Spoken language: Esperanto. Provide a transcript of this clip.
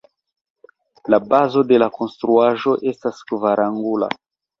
La bazo de la konstruaĵo estas kvarangula.